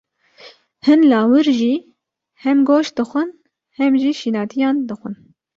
Hin lawir jî, hem goşt dixwin, hem jî şînatiyan dixwin.